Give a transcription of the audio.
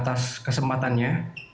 terima kasih atas kesempatannya